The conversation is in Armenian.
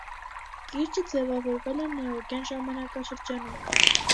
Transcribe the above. Կիրճը ձևավորվել է նեոգեն ժամանակաշրջանում։